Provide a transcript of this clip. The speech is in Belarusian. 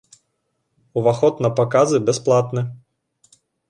Уваход на паказы бясплатны.